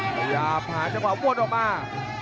พยายามหาเฉพาะวนออกมา